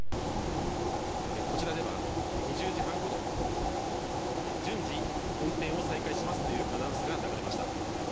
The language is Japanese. こちらでは２０時半ごろ、順次運転を再開しますというアナウンスが流れました。